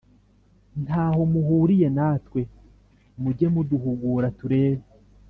nta ho muhuriye natwe. muge muduhugura turebe